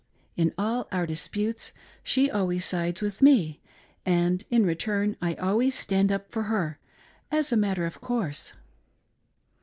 In all our disputes she always sides with me, and in return I always stand up for her, as a matter of course.